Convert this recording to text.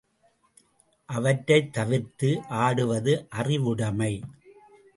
அவற்றைத் தவிர்த்து ஆடுவது அறிவுடமை.